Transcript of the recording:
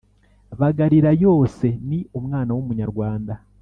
Bagarira yose ni umwana w’umunyarwanda.